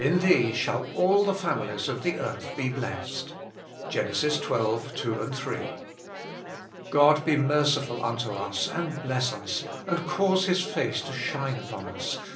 thee shall all the families of the earth be blessed." GEN. xii. 2, 3. " God be merciful unto us, and bless us ; and cause His face to shine upon us.